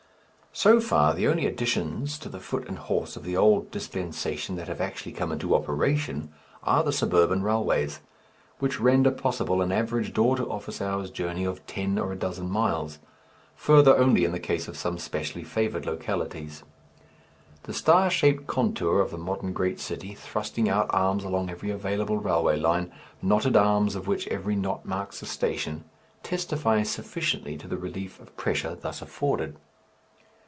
So far the only additions to the foot and horse of the old dispensation that have actually come into operation, are the suburban railways, which render possible an average door to office hour's journey of ten or a dozen miles further only in the case of some specially favoured localities. The star shaped contour of the modern great city, thrusting out arms along every available railway line, knotted arms of which every knot marks a station, testify sufficiently to the relief of pressure thus afforded.